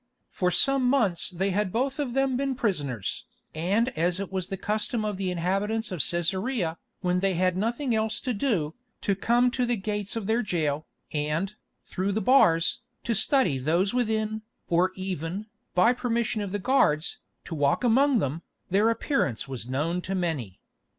For some months they had both of them been prisoners, and as it was the custom of the inhabitants of Cæsarea, when they had nothing else to do, to come to the gates of their jail, and, through the bars, to study those within, or even, by permission of the guards, to walk among them, their appearance was known to many.